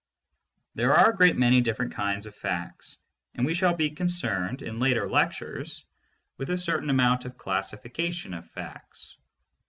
There are a great many different kinds of facts, and we shall be concerned in later lectures with a certain amount of classification of facts.